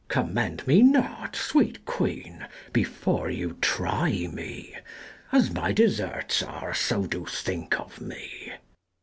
Commend me not, sweet queen, before you try me. As my deserts are, so do think of me.